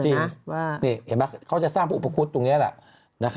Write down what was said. จริงเห็นไหมเขาจะสร้างภูมิอุปกรุษตรงนี้แหละ